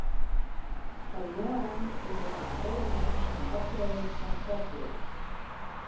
Foar de jongerein is der de freedtejûns in optreden fan in popgroep.